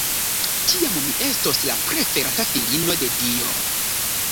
Tiam mi estos la preferata filino de Dio!